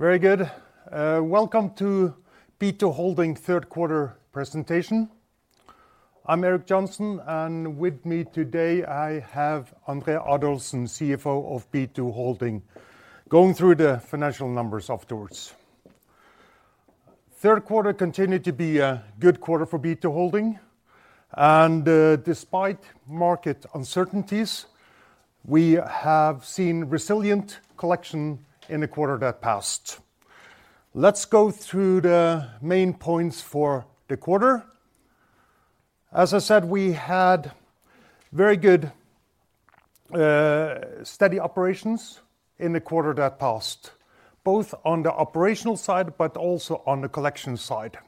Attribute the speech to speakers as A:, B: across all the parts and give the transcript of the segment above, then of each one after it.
A: Very good. Welcome to B2 Impact third quarter presentation. I'm Erik Johnsen, and with me today I have André Adolfsen, CFO of B2 Impact, going through the financial numbers afterwards. Third quarter continued to be a good quarter for B2 Impact and, despite market uncertainties, we have seen resilient collection in the quarter that passed. Let's go through the main points for the quarter. As I said, we had very good steady operations in the quarter that passed, both on the operational side but also on the collection side.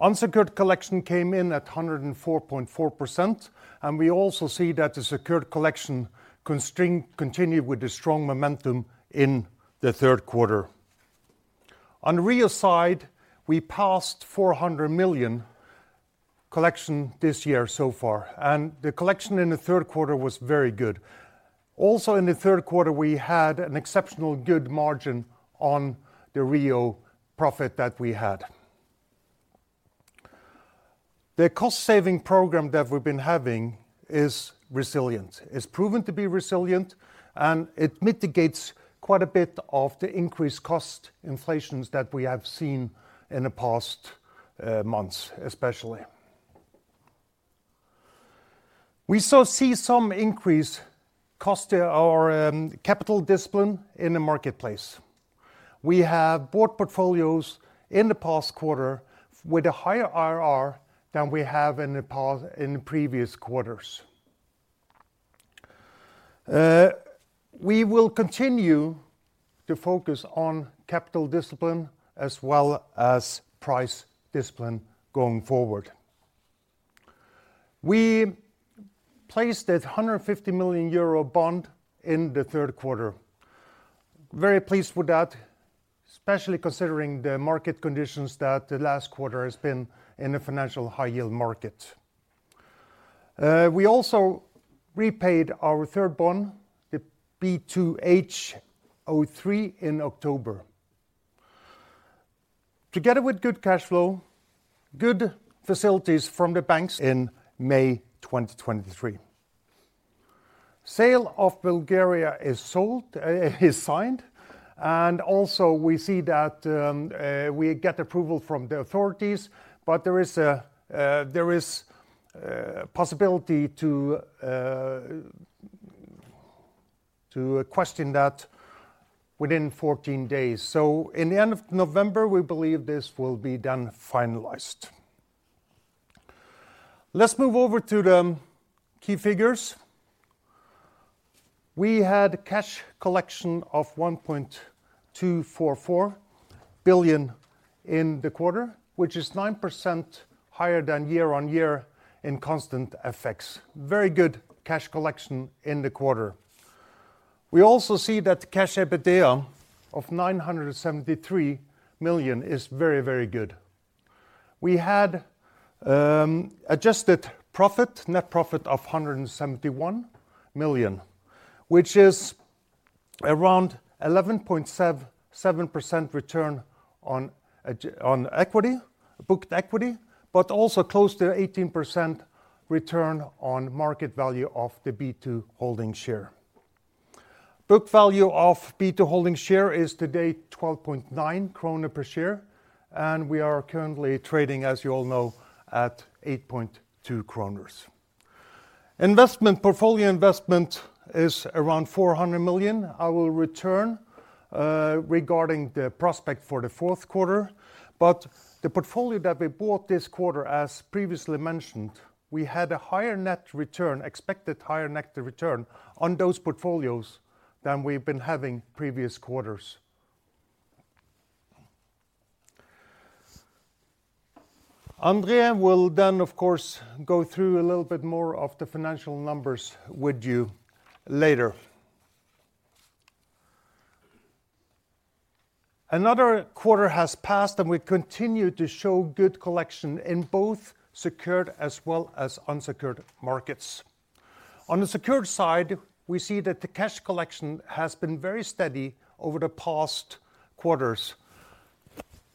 A: Unsecured collection came in at 104.4%, and we also see that the secured collection continued with the strong momentum in the third quarter. On REO side, we passed 400 million collection this year so far, and the collection in the third quarter was very good. In the third quarter, we had an exceptionally good margin on the REO profit that we had. The cost-saving program that we've been having is resilient. It's proven to be resilient, and it mitigates quite a bit of the increased cost inflation that we have seen in the past months especially. We also see some increased cost or capital discipline in the marketplace. We have bought portfolios in the past quarter with a higher IRR than we have in the previous quarters. We will continue to focus on capital discipline as well as price discipline going forward. We placed 150 million euro bond in the third quarter. Very pleased with that, especially considering the market conditions that the last quarter has been in the financial high-yield market. We also repaid our third bond, the B2H03 in October. Together with good cash flow, good facilities from the banks in May 2023. Sale of Bulgaria is sold, is signed, and also we see that we get approval from the authorities but there is a possibility to question that within 14 days. In the end of November, we believe this will be done, finalized. Let's move over to the key figures. We had cash collection of 1.244 billion in the quarter, which is 9% higher than year-on-year in constant FX. Very good cash collection in the quarter. We also see that Cash EBITDA of 973 million is very, very good. We had adjusted profit, net profit of 171 million, which is around 11.7% return on equity, booked equity, but also close to 18% return on market value of the B2 Impact share. Book value of B2 Impact share is today 12.9 krone per share, and we are currently trading, as you all know, at 8.2 kroner. Portfolio investment is around 400 million. I will return regarding the prospect for the fourth quarter. The portfolio that we bought this quarter, as previously mentioned, we had a higher net return, expected higher net return on those portfolios than we've been having previous quarters. André will then of course go through a little bit more of the financial numbers with you later. Another quarter has passed and we continue to show good collection in both secured as well as unsecured markets. On the secured side, we see that the cash collection has been very steady over the past quarters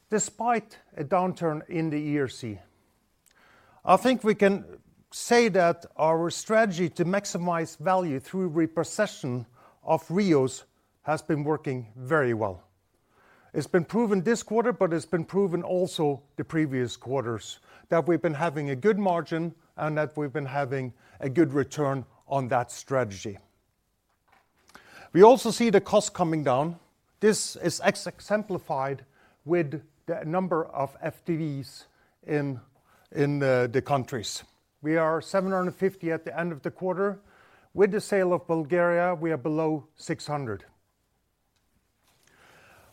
A: despite a downturn in the ERC. I think we can say that our strategy to maximize value through repossession of REOs has been working very well. It's been proven this quarter, but it's been proven also the previous quarters that we've been having a good margin and that we've been having a good return on that strategy. We also see the cost coming down. This is exemplified with the number of FTEs in the countries. We are 750 at the end of the quarter. With the sale of Bulgaria, we are below 600.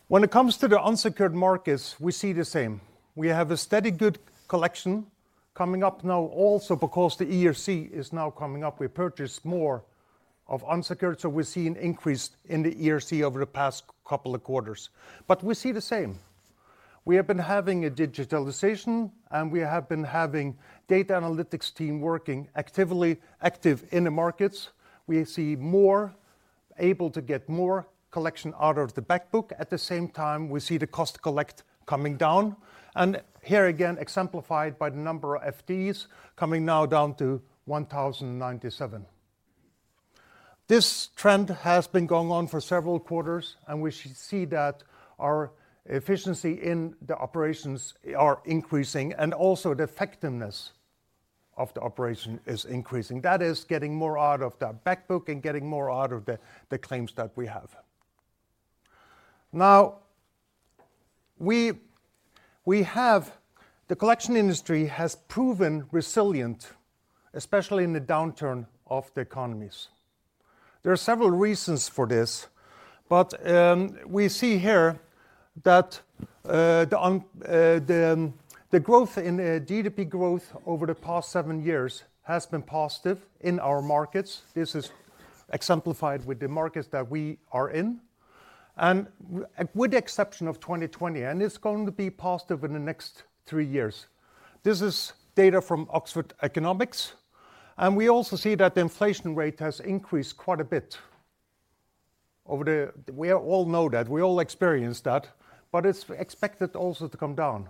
A: When it comes to the unsecured markets, we see the same. We have a steady good collection coming up now also because the ERC is now coming up. We purchased more of unsecured, so we see an increase in the ERC over the past couple of quarters. We see the same. We have been having a digitalization and we have been having data analytics team working actively in the markets. We see we're more able to get more collection out of the back book. At the same time, we see the cost-to-collect coming down. Here again exemplified by the number of FTEs coming now down to 1,097. This trend has been going on for several quarters, and we should see that our efficiency in the operations are increasing and also the effectiveness of the operation is increasing. That is getting more out of the back book and getting more out of the claims that we have. Now, the collection industry has proven resilient, especially in the downturn of the economies. There are several reasons for this, but we see here that the GDP growth over the past seven years has been positive in our markets. This is exemplified with the markets that we are in. With the exception of 2020, it's going to be positive in the next three years. This is data from Oxford Economics, and we also see that the inflation rate has increased quite a bit over the. We all know that. We all experience that, but it's expected also to come down.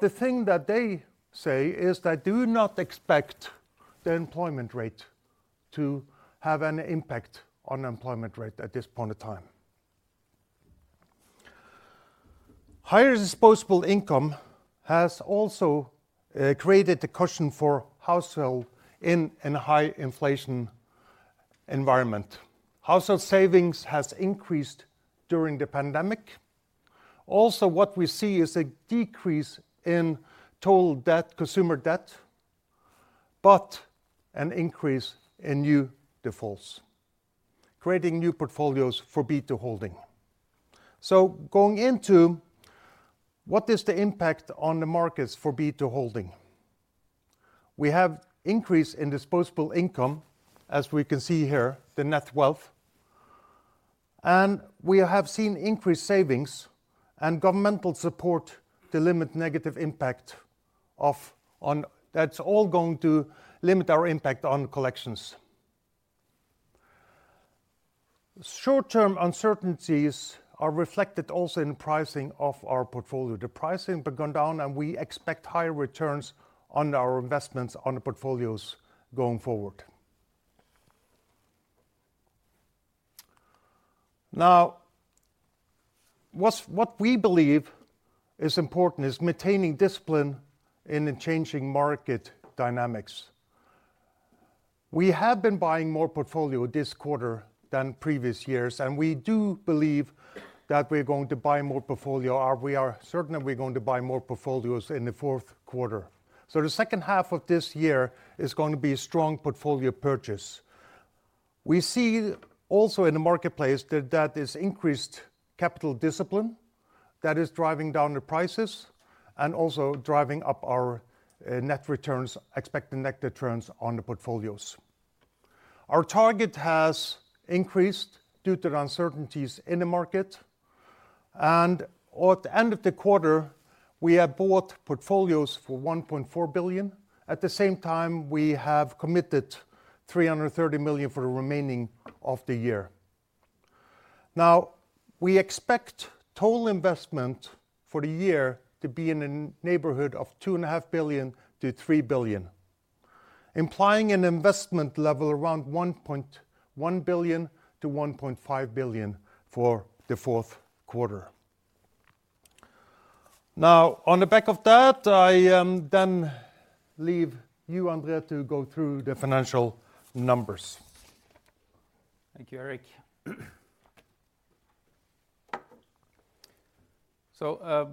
A: The thing that they say is they do not expect the unemployment rate to have an impact on unemployment rate at this point of time. Higher disposable income has also created the cushion for households in high inflation environment. Household savings has increased during the pandemic. Also, what we see is a decrease in total debt, consumer debt, but an increase in new defaults, creating new portfolios for B2 Impact. Going into what is the impact on the markets for B2 Impact. We have increase in disposable income, as we can see here, the net wealth. We have seen increased savings and governmental support to limit negative impact. That's all going to limit our impact on collections. Short-term uncertainties are reflected also in pricing of our portfolio. The pricing has gone down, and we expect higher returns on our investments on the portfolios going forward. Now, what we believe is important is maintaining discipline in the changing market dynamics. We have been buying more portfolio this quarter than previous years, and we do believe that we're going to buy more portfolio. We are certain that we're going to buy more portfolios in the fourth quarter. The second half of this year is going to be a strong portfolio purchase. We see also in the marketplace that is increased capital discipline that is driving down the prices and also driving up our net returns, expected net returns on the portfolios. Our target has increased due to the uncertainties in the market. At the end of the quarter, we have bought portfolios for 1.4 billion. At the same time, we have committed 300 million for the remaining of the year. Now, we expect total investment for the year to be in the neighborhood of 2.5 billion-3 billion, implying an investment level around 1.1 billion-1.5 billion for the fourth quarter. Now, on the back of that, I then leave you, André, to go through the financial numbers.
B: Thank you, Erik.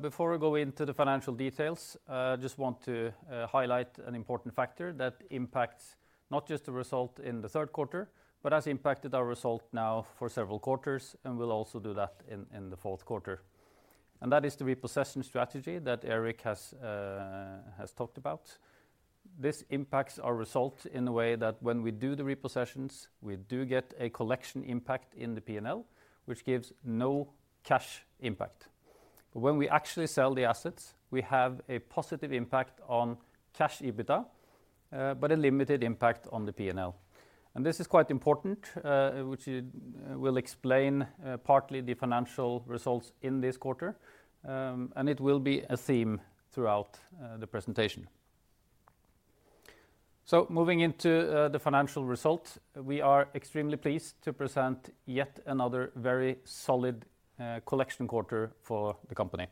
B: Before we go into the financial details, I just want to highlight an important factor that impacts not just the result in the third quarter, but has impacted our result now for several quarters and will also do that in the fourth quarter. That is the repossession strategy that Erik has talked about. This impacts our result in a way that when we do the repossessions, we do get a collection impact in the P&L, which gives no cash impact. When we actually sell the assets, we have a positive impact on cash EBITDA, but a limited impact on the P&L. This is quite important, which will explain partly the financial results in this quarter, and it will be a theme throughout the presentation. Moving into the financial results, we are extremely pleased to present yet another very solid collection quarter for the company.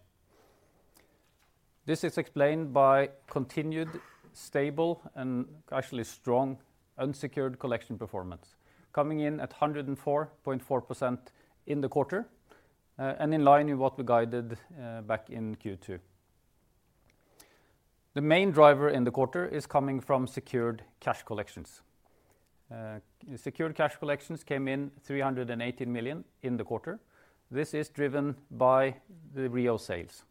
B: This is explained by continued stable and actually strong unsecured collection performance coming in at 104.4% in the quarter, and in line with what we guided back in Q2. The main driver in the quarter is coming from secured cash collections. Secured cash collections came in 318 million in the quarter. This is driven by the REO sales.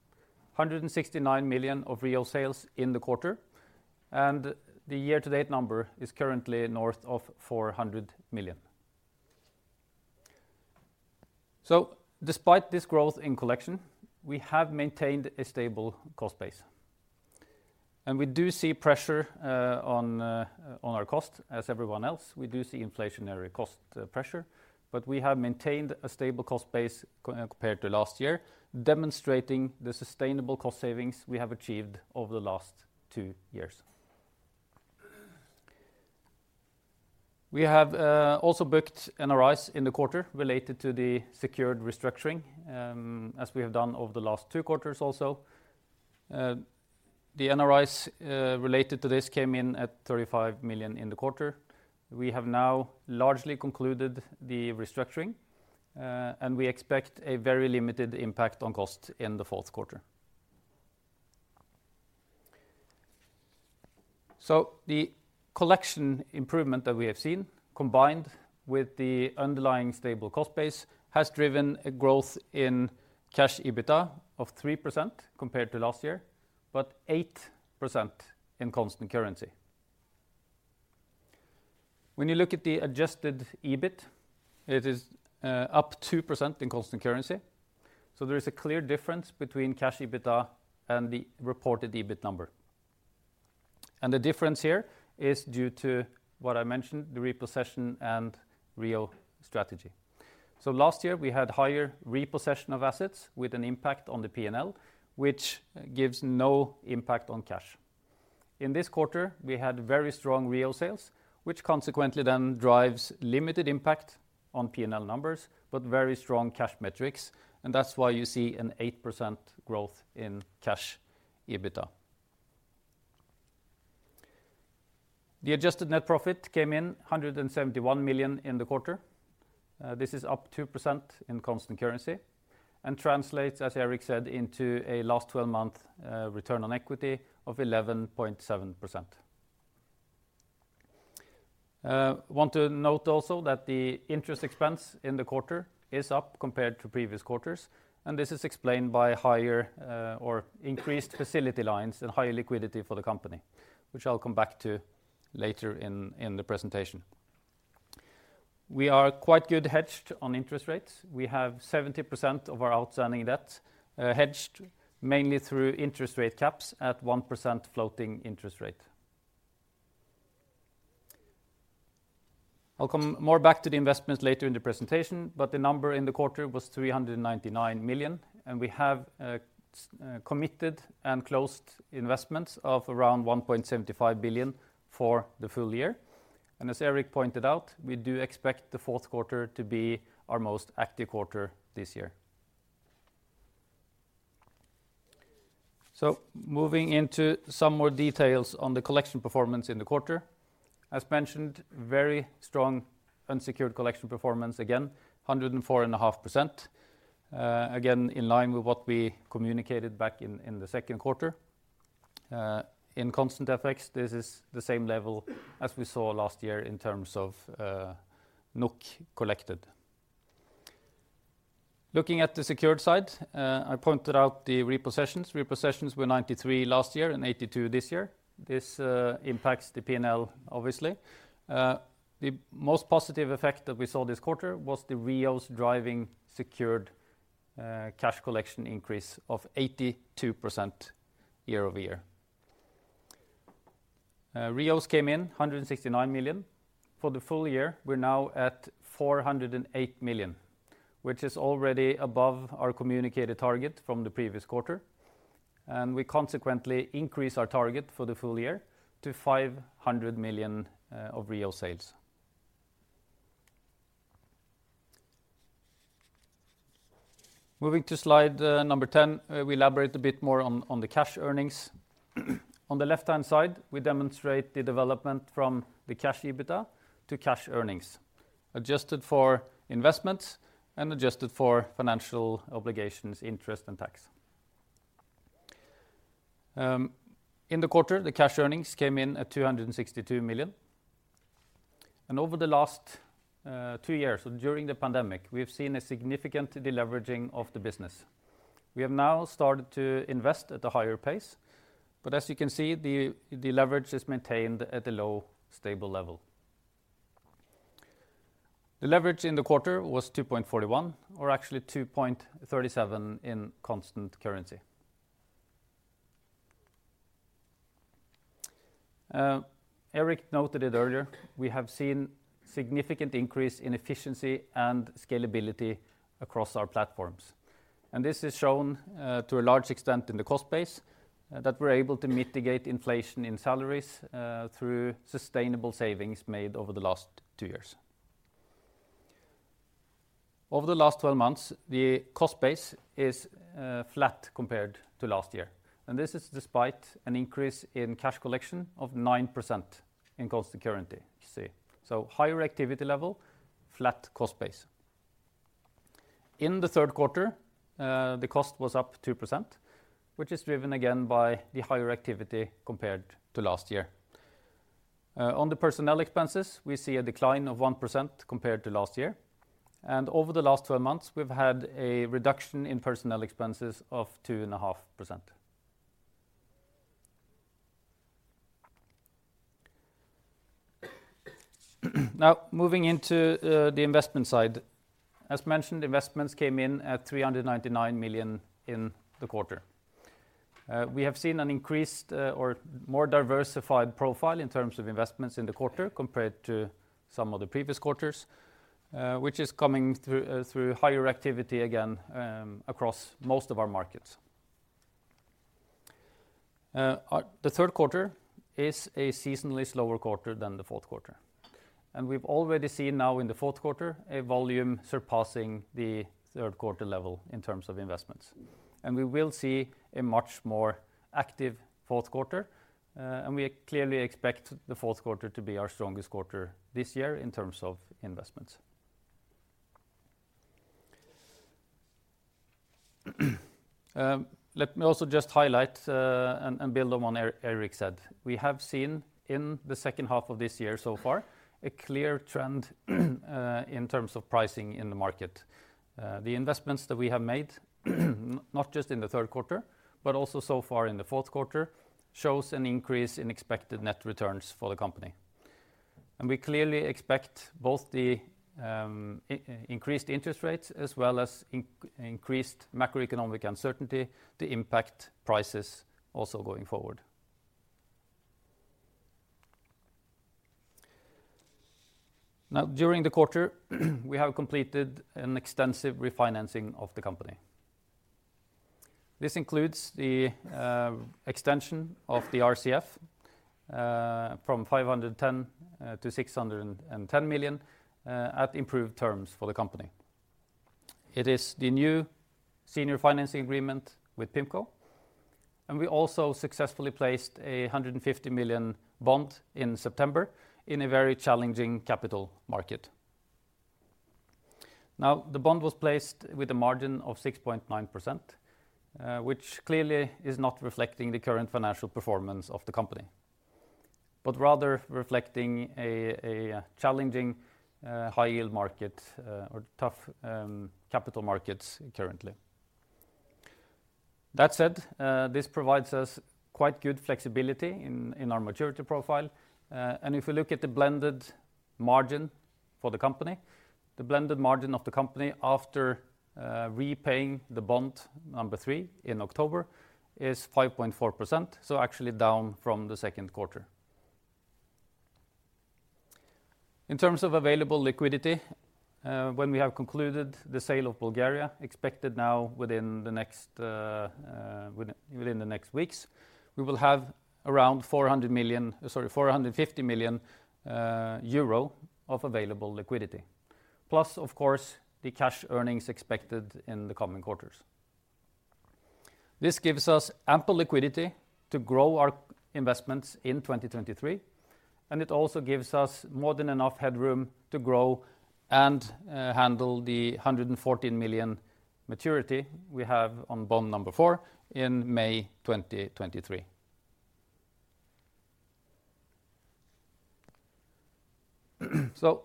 B: 169 million of REO sales in the quarter, and the year-to-date number is currently north of 400 million. Despite this growth in collection, we have maintained a stable cost base. We do see pressure on our cost as everyone else. We do see inflationary cost pressure, but we have maintained a stable cost base compared to last year, demonstrating the sustainable cost savings we have achieved over the last two years. We have also booked NRIs in the quarter related to the secured restructuring, as we have done over the last two quarters also. The NRIs related to this came in at 35 million in the quarter. We have now largely concluded the restructuring, and we expect a very limited impact on cost in the fourth quarter. The collection improvement that we have seen, combined with the underlying stable cost base, has driven a growth in cash EBITDA of 3% compared to last year, but 8% in constant currency. When you look at the adjusted EBIT, it is up 2% in constant currency. There is a clear difference between cash EBITDA and the reported EBIT number. The difference here is due to what I mentioned, the repossession and REO strategy. Last year we had higher repossession of assets with an impact on the P&L, which gives no impact on cash. In this quarter, we had very strong REO sales, which consequently then drives limited impact on P&L numbers, but very strong cash metrics, and that's why you see an 8% growth in cash EBITDA. The adjusted net profit came in 171 million in the quarter. This is up 2% in constant currency and translates, as Erik said, into a last twelve month return on equity of 11.7%. Want to note also that the interest expense in the quarter is up compared to previous quarters, and this is explained by higher or increased facility lines and higher liquidity for the company, which I'll come back to later in the presentation. We are quite good hedged on interest rates. We have 70% of our outstanding debt hedged mainly through interest rate caps at 1% floating interest rate. I'll come more back to the investments later in the presentation, but the number in the quarter was 399 million, and we have committed and closed investments of around 1.75 billion for the full year. As Erik pointed out, we do expect the fourth quarter to be our most active quarter this year. Moving into some more details on the collection performance in the quarter. As mentioned, very strong unsecured collection performance again, 104.5%, again, in line with what we communicated back in the second quarter. In constant FX, this is the same level as we saw last year in terms of NOK collected. Looking at the secured side, I pointed out the repossessions. Repossessions were 93 last year and 82 this year. This impacts the P&L obviously. The most positive effect that we saw this quarter was the REOs driving secured cash collection increase of 82% year-over-year. REOs came in 169 million. For the full year, we're now at 408 million, which is already above our communicated target from the previous quarter. We consequently increase our target for the full year to 500 million of REO sales. Moving to slide number 10, we elaborate a bit more on the cash earnings. On the left-hand side, we demonstrate the development from the cash EBITDA to cash earnings, adjusted for investments and adjusted for financial obligations, interest and tax. In the quarter, the cash earnings came in at 262 million. Over the last two years, so during the pandemic, we have seen a significant deleveraging of the business. We have now started to invest at a higher pace. As you can see, the leverage is maintained at a low stable level. The leverage in the quarter was 2.41, or actually 2.37 in constant currency. Erik noted it earlier, we have seen significant increase in efficiency and scalability across our platforms. This is shown to a large extent in the cost base that we're able to mitigate inflation in salaries through sustainable savings made over the last two years. Over the last 12 months, the cost base is flat compared to last year. This is despite an increase in cash collection of 9% in constant currency. You see. Higher activity level, flat cost base. In the third quarter, the cost was up 2%, which is driven again by the higher activity compared to last year. On the personnel expenses, we see a decline of 1% compared to last year. Over the last 12 months, we've had a reduction in personnel expenses of 2.5%. Now, moving into the investment side. As mentioned, investments came in at 399 million in the quarter. We have seen an increased, or more diversified profile in terms of investments in the quarter compared to some of the previous quarters, which is coming through higher activity again across most of our markets. The third quarter is a seasonally slower quarter than the fourth quarter. We've already seen now in the fourth quarter a volume surpassing the third quarter level in terms of investments. We will see a much more active fourth quarter, and we clearly expect the fourth quarter to be our strongest quarter this year in terms of investments. Let me also just highlight and build on what Erik said. We have seen in the second half of this year so far a clear trend in terms of pricing in the market. The investments that we have made, not just in the third quarter, but also so far in the fourth quarter, shows an increase in expected net returns for the company. We clearly expect both the increased interest rates as well as increased macroeconomic uncertainty to impact prices also going forward. Now, during the quarter, we have completed an extensive refinancing of the company. This includes the extension of the RCF from 510 million to 610 million at improved terms for the company. It is the new senior financing agreement with PIMCO, and we also successfully placed 150 million bond in September in a very challenging capital market. Now, the bond was placed with a margin of 6.9%, which clearly is not reflecting the current financial performance of the company, but rather reflecting a challenging high-yield market or tough capital markets currently. That said, this provides us quite good flexibility in our maturity profile. If we look at the blended margin for the company, the blended margin of the company after repaying the bond number three in October is 5.4%, so actually down from the second quarter. In terms of available liquidity, when we have concluded the sale of Bulgaria, expected now within the next weeks, we will have around 450 million euro of available liquidity, plus, of course, the cash earnings expected in the coming quarters. This gives us ample liquidity to grow our investments in 2023, and it also gives us more than enough headroom to grow and handle the 114 million maturity we have on bond number four in May 2023.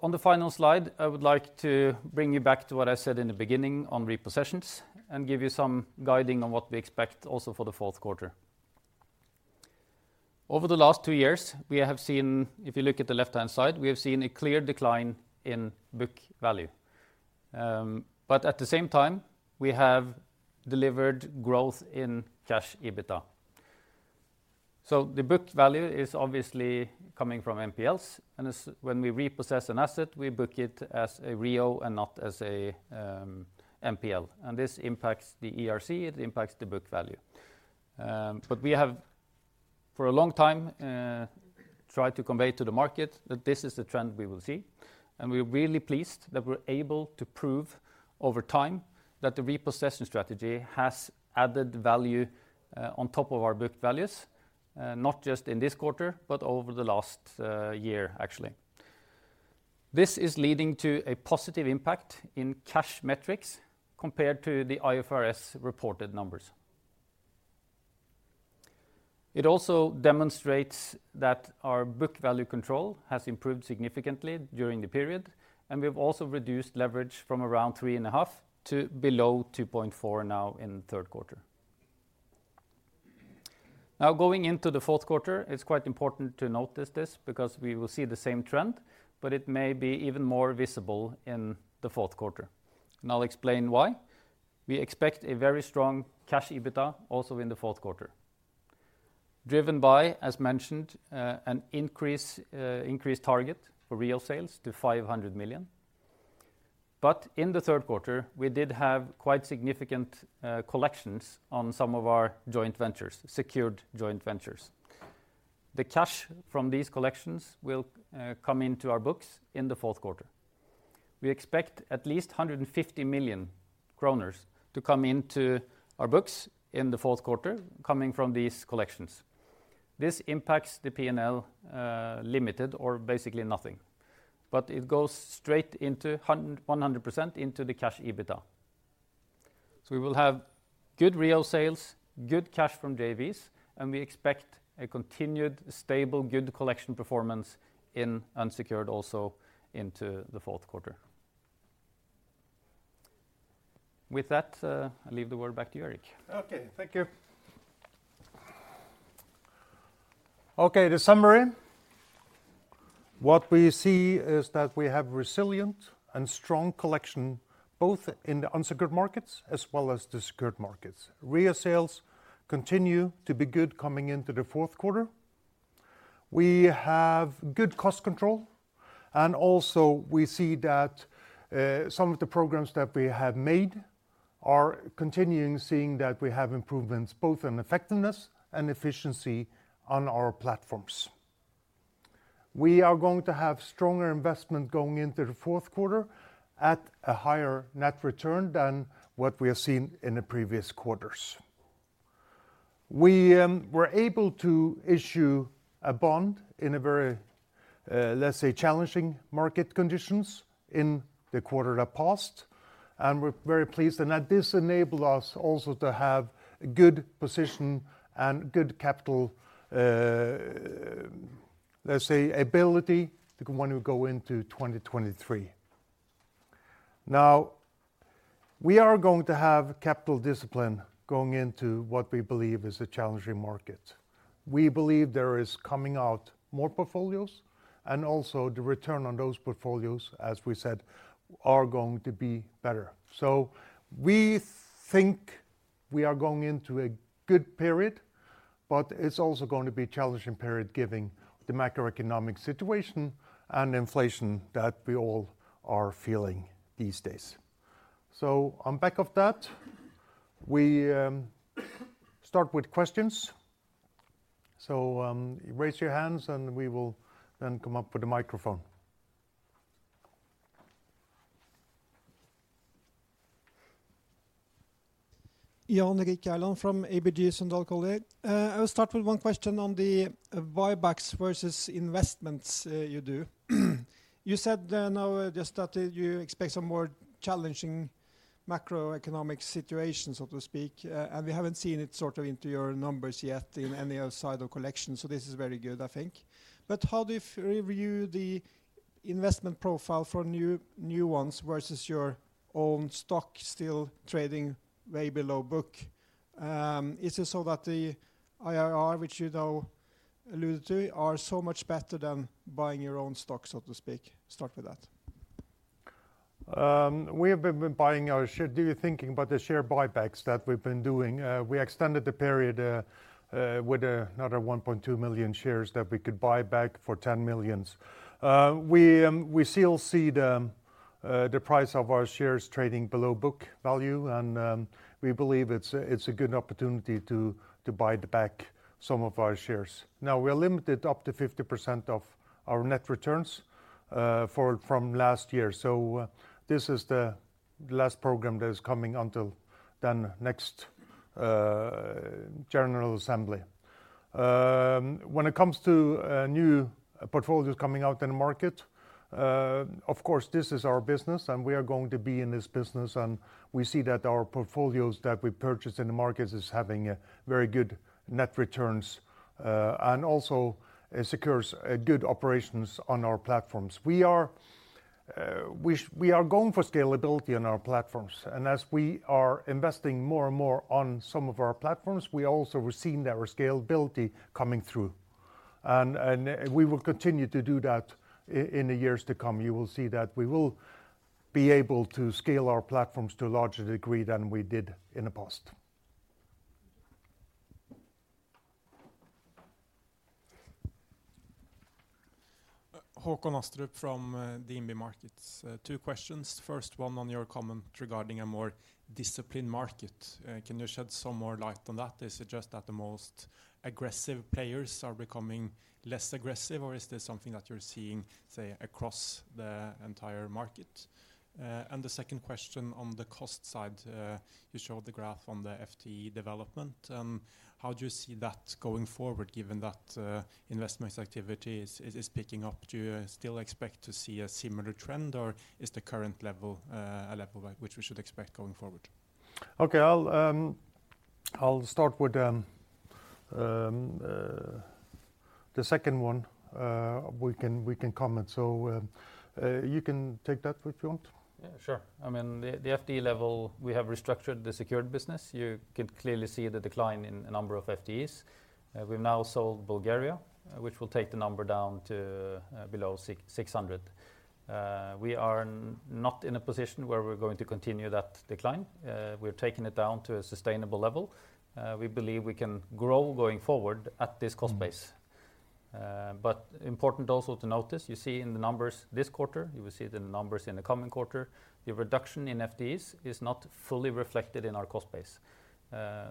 B: On the final slide, I would like to bring you back to what I said in the beginning on repossessions and give you some guidance on what we expect also for the fourth quarter. Over the last two years, we have seen, if you look at the left-hand side, we have seen a clear decline in book value. But at the same time, we have delivered growth in Cash EBITDA. The book value is obviously coming from NPLs, and when we repossess an asset, we book it as a REO and not as a NPL. This impacts the ERC, it impacts the book value. We have, for a long time, tried to convey to the market that this is the trend we will see, and we're really pleased that we're able to prove over time that the repossession strategy has added value, on top of our book values, not just in this quarter, but over the last year, actually. This is leading to a positive impact in cash metrics compared to the IFRS reported numbers. It also demonstrates that our book value control has improved significantly during the period, and we've also reduced leverage from around 3.5 to below 2.4 now in the third quarter. Now, going into the fourth quarter, it's quite important to notice this because we will see the same trend, but it may be even more visible in the fourth quarter. I'll explain why. We expect a very strong Cash EBITDA also in the fourth quarter, driven by, as mentioned, increased target for REO sales to 500 million. In the third quarter, we did have quite significant collections on some of our joint ventures, secured joint ventures. The cash from these collections will come into our books in the fourth quarter. We expect at least 150 million kroner to come into our books in the fourth quarter coming from these collections. This impacts the P&L limited or basically nothing. It goes straight into 100% into the Cash EBITDA. We will have good real sales, good cash from JVs, and we expect a continued stable good collection performance in unsecured also into the fourth quarter. With that, I leave the word back to you, Erik.
A: Okay. Thank you. Okay, the summary, what we see is that we have resilient and strong collection, both in the unsecured markets as well as the secured markets. REO sales continue to be good coming into the fourth quarter. We have good cost control, and also we see that some of the programs that we have made are continuing, seeing that we have improvements both in effectiveness and efficiency on our platforms. We are going to have stronger investment going into the fourth quarter at a higher net return than what we have seen in the previous quarters. We were able to issue a bond in a very, let's say, challenging market conditions in the quarter that passed, and we're very pleased. That this enabled us also to have good position and good capital, let's say, ability when we go into 2023. Now, we are going to have capital discipline going into what we believe is a challenging market. We believe there is coming out more portfolios and also the return on those portfolios, as we said, are going to be better. We think we are going into a good period, but it's also going to be a challenging period given the macroeconomic situation and inflation that we all are feeling these days. On back of that, we start with questions. Raise your hands, and we will then come up with the microphone.
C: Jan Erik Gjerland from ABG Sundal Collier. I will start with one question on the buybacks versus investments you do. You said now just that you expect some more challenging macroeconomic situation, so to speak, and we haven't seen it sort of into your numbers yet in any other side of collection. This is very good, I think. How do you review the investment profile for new ones versus your own stock still trading way below book? Is it so that the IRR, which you now alluded to, are so much better than buying your own stock, so to speak? Start with that.
A: We have been buying our share. Are you thinking about the share buybacks that we've been doing? We extended the period with another 1.2 million shares that we could buy back for 10 million. We still see the price of our shares trading below book value, and we believe it's a good opportunity to buy back some of our shares. Now, we are limited up to 50% of our net returns from last year. This is the last program that is coming until the next general assembly. When it comes to new portfolios coming out in the market, of course, this is our business, and we are going to be in this business. We see that our portfolios that we purchase in the markets is having a very good net returns, and also secures a good operations on our platforms. We are going for scalability on our platforms. As we are investing more and more on some of our platforms, we also are seeing that our scalability coming through. We will continue to do that in the years to come. You will see that we will be able to scale our platforms to a larger degree than we did in the past.
D: Håkon Astrup from DNB Markets. Two questions. First one on your comment regarding a more disciplined market. Can you shed some more light on that? Is it just that the most aggressive players are becoming less aggressive, or is this something that you're seeing, say, across the entire market? And the second question on the cost side, you showed the graph on the FTE development. How do you see that going forward, given that investment activity is picking up? Do you still expect to see a similar trend, or is the current level a level which we should expect going forward?
A: Okay. I'll start with the second one. We can comment. You can take that if you want.
B: Yeah, sure. I mean, the FTE level, we have restructured the secured business. You can clearly see the decline in the number of FTEs. We've now sold Bulgaria, which will take the number down to below 600. We are not in a position where we're going to continue that decline. We're taking it down to a sustainable level. We believe we can grow going forward at this cost base. But important also to notice, you see in the numbers this quarter, you will see the numbers in the coming quarter, the reduction in FTEs is not fully reflected in our cost base.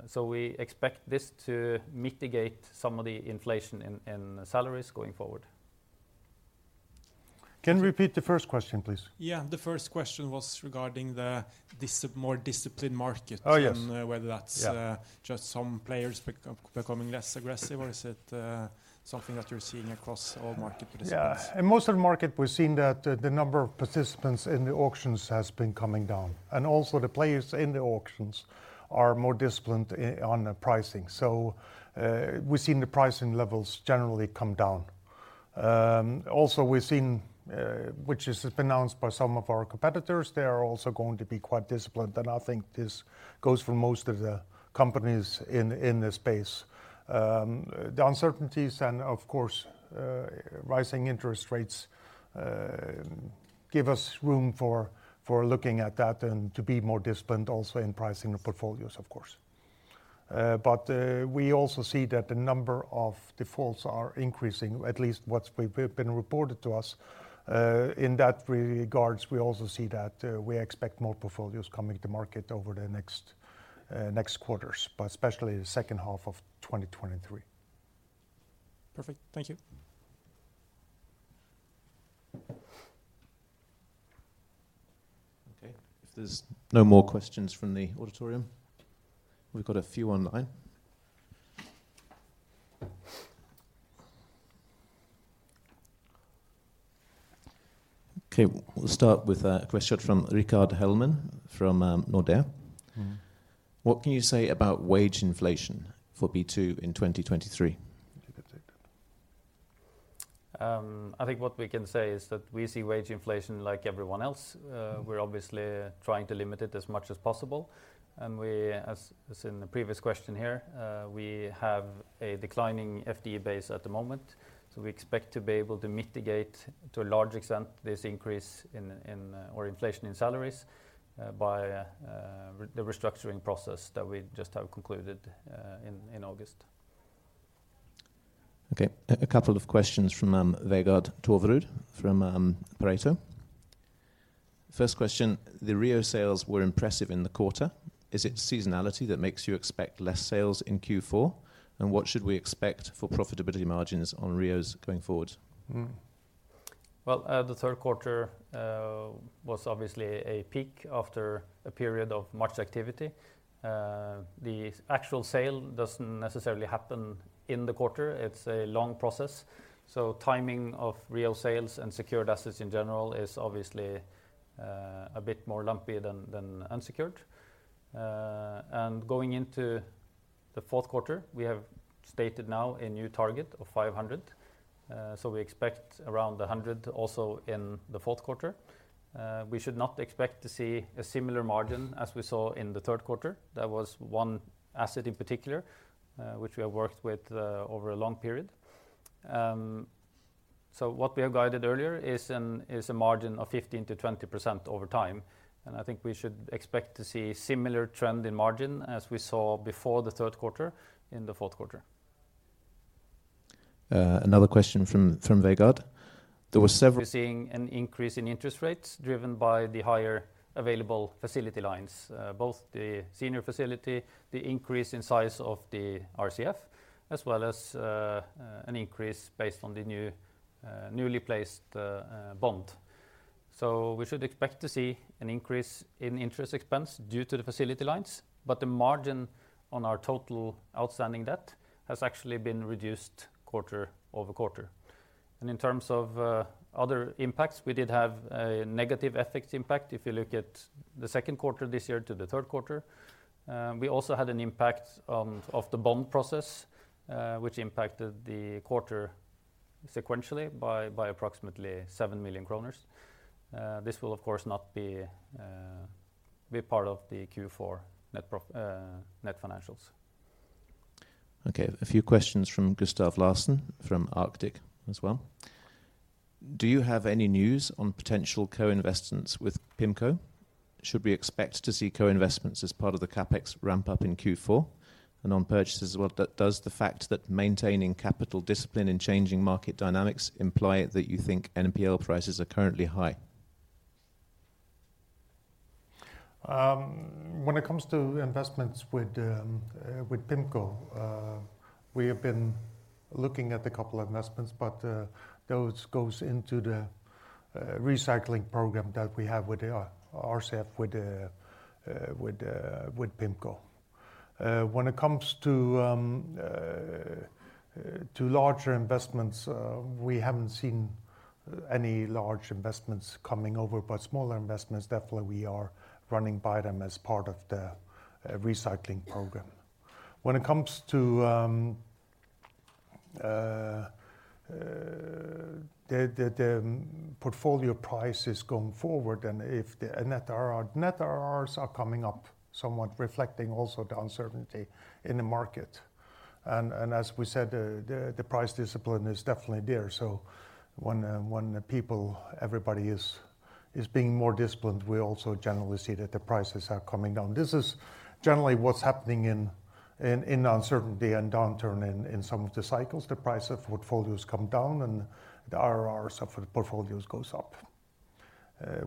B: So we expect this to mitigate some of the inflation in salaries going forward.
A: Can you repeat the first question, please?
D: Yeah. The first question was regarding the more disciplined market.
A: Oh, yes.
D: whether that's.
A: Yeah
D: Just some players becoming less aggressive, or is it something that you're seeing across all market participants?
A: Yeah. In most of the market, we're seeing that the number of participants in the auctions has been coming down, and also the players in the auctions are more disciplined on the pricing. We're seeing the pricing levels generally come down. Also, we're seeing which has been announced by some of our competitors, they are also going to be quite disciplined, and I think this goes for most of the companies in this space. The uncertainties and of course rising interest rates give us room for looking at that and to be more disciplined also in pricing the portfolios, of course. We also see that the number of defaults are increasing, at least what's been reported to us. In that regard, we also see that we expect more portfolios coming to market over the next quarters, but especially the second half of 2023.
D: Perfect. Thank you.
E: Okay. If there's no more questions from the auditorium, we've got a few online. Okay. We'll start with a question from Rickard Hellman from Nordea.
A: Mm-hmm.
E: What can you say about wage inflation for B2 in 2023?
A: If you can take that.
B: I think what we can say is that we see wage inflation like everyone else. We're obviously trying to limit it as much as possible. We, as in the previous question here, have a declining FTE base at the moment. We expect to be able to mitigate to a large extent this increase in inflation in salaries by the restructuring process that we just have concluded in August.
E: Okay. A couple of questions from Vegard Toverud from Pareto. First question, the REO sales were impressive in the quarter. Is it seasonality that makes you expect less sales in Q4? And what should we expect for profitability margins on REOs going forward?
B: Well, the third quarter was obviously a peak after a period of much activity. The actual sale doesn't necessarily happen in the quarter. It's a long process. Timing of real sales and secured assets in general is obviously a bit more lumpy than unsecured. Going into the fourth quarter, we have stated now a new target of 500. We expect around 100 also in the fourth quarter. We should not expect to see a similar margin as we saw in the third quarter. That was one asset in particular which we have worked with over a long period. What we have guided earlier is a margin of 15%-20% over time. I think we should expect to see similar trend in margin as we saw before the third quarter in the fourth quarter.
E: Another question from Vegard. We're seeing an increase in interest rates driven by the higher available facility lines, both the senior facility, the increase in size of the RCF, as well as an increase based on the new, newly placed bond. We should expect to see an increase in interest expense due to the facility lines, but the margin on our total outstanding debt has actually been reduced quarter-over-quarter. In terms of other impacts, we did have a negative FX impact if you look at the second quarter this year to the third quarter. We also had an impact of the bond process, which impacted the quarter sequentially by approximately 7 million kroner. This will, of course, not be part of the Q4 net financials. Okay. A few questions from Roy Tilley from Arctic as well. Do you have any news on potential co-investments with PIMCO? Should we expect to see co-investments as part of the CapEx ramp up in Q4? On purchases, does the fact that maintaining capital discipline in changing market dynamics imply that you think NPL prices are currently high?
A: When it comes to investments with PIMCO, we have been looking at a couple investments, but those goes into the recycling program that we have with the RCF, with PIMCO. When it comes to larger investments, we haven't seen any large investments coming over, but smaller investments, definitely we are running by them as part of the recycling program. When it comes to the portfolio prices going forward and if the net IRR, net IRRs are coming up somewhat reflecting also the uncertainty in the market. As we said, the price discipline is definitely there. When the people, everybody is being more disciplined, we also generally see that the prices are coming down. This is generally what's happening in uncertainty and downturn in some of the cycles. The price of portfolios come down and the IRRs of portfolios goes up.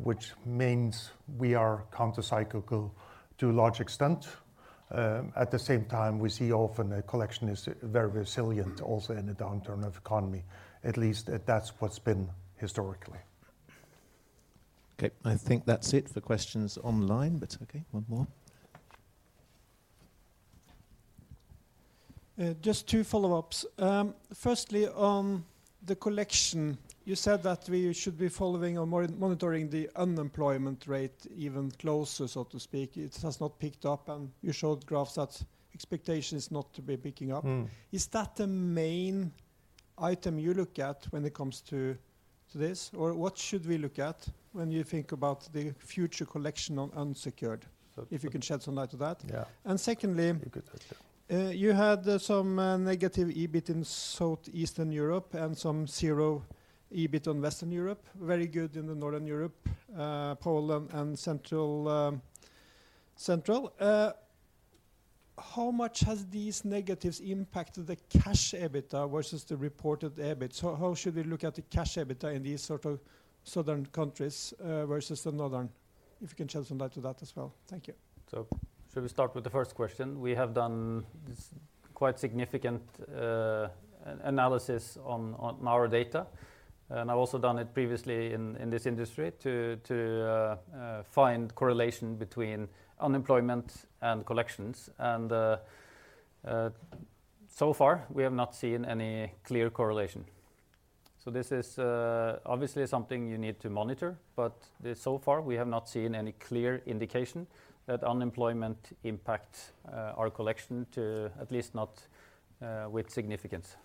A: Which means we are countercyclical to a large extent. At the same time, we see often a collection is very resilient also in the downturn of economy. At least that's what's been historically.
E: Okay. I think that's it for questions online, but okay, one more.
C: Just two follow-ups. Firstly, on the collection, you said that we should be following or monitoring the unemployment rate even closer, so to speak. It has not picked up, and you showed graphs that expectation is not to be picking up.
B: Mm-hmm.
C: Is that the main item you look at when it comes to this? Or what should we look at when you think about the future collection on unsecured? If you can shed some light on that.
A: Yeah.
C: Secondly.
A: You could take that.
C: You had some negative EBIT in Southeastern Europe and some zero EBIT in Western Europe, very good in Northern Europe, Poland and Central Europe. How much has these negatives impacted the Cash EBITDA versus the reported EBIT? How should we look at the Cash EBITDA in these sort of southern countries versus the northern? If you can shed some light to that as well. Thank you.
B: Should we start with the first question? We have done quite significant analysis on our data, and I've also done it previously in this industry to find correlation between unemployment and collections. So far we have not seen any clear correlation. This is obviously something you need to monitor, but so far we have not seen any clear indication that unemployment impacts our collections too, at least not with significance.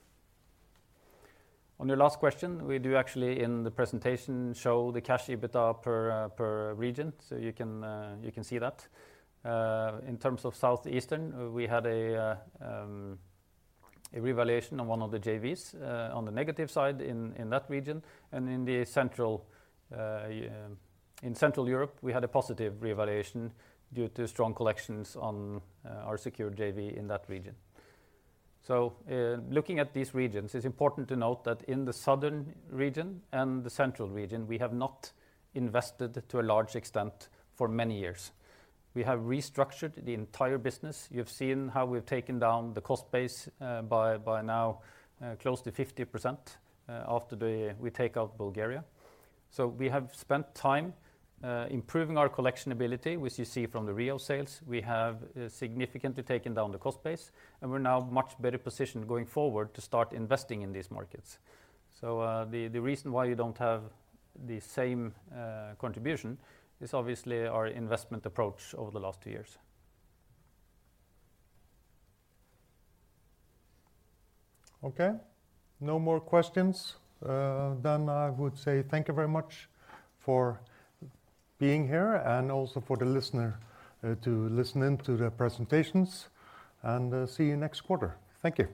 B: On your last question, we do actually in the presentation show the Cash EBITDA per region. You can see that. In terms of Southeastern, we had a revaluation on one of the JVs on the negative side in that region and in Central Europe, we had a positive revaluation due to strong collections on our secured JV in that region. Looking at these regions, it's important to note that in the Southern region and the Central region, we have not invested to a large extent for many years. We have restructured the entire business. You've seen how we've taken down the cost base by now close to 50% after we take out Bulgaria. We have spent time improving our collection ability, which you see from the REO sales. We have significantly taken down the cost base, and we're now much better positioned going forward to start investing in these markets. The reason why you don't have the same contribution is obviously our investment approach over the last two years.
A: Okay. No more questions. I would say thank you very much for being here and also for the listener to listen in to the presentations and see you next quarter. Thank you.